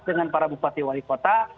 dengan para bupati wali kota